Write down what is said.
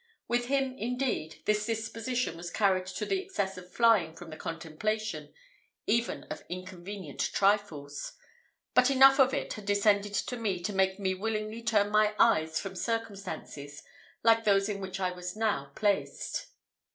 With him, indeed, this disposition was carried to the excess of flying from the contemplation, even of inconvenient trifles; but enough of it had descended to me to make me willingly turn my eyes from circumstances like those in which I was now placed.